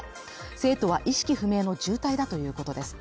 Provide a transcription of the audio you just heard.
生徒は意識不明の重体だということです。